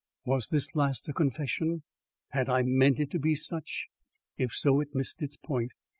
Was this last a confession? Had I meant it to be such? If so, it missed its point.